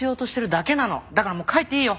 だからもう帰っていいよ。